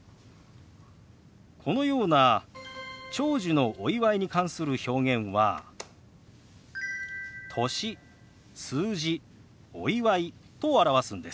このような長寿のお祝いに関する表現は「歳」「数字」「お祝い」と表すんです。